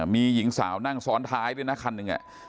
มีหญิงสาวนั่งซ้อนท้ายด้วยนะคันหนึ่ง